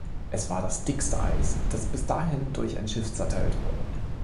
Es war das dickste Eis, das bis dahin durch ein Schiff zerteilt wurde.